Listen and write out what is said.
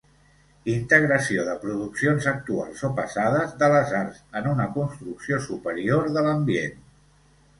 Integració de produccions actuals o passades de les arts en una construcció superior de l'ambient.